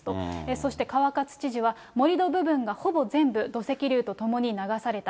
そして川勝知事は、盛り土部分がほぼ全部、土石流とともに流された。